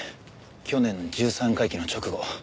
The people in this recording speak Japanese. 去年十三回忌の直後。